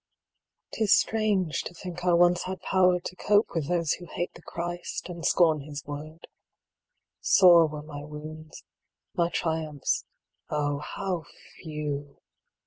'Tis strange to think I once had power to cope With those who hate the Christ, and scorn His word ; Sore were my wounds ; my triumphs, oh, how few